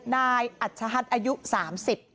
นายอัชฌฮัตอายุ๓๐ปี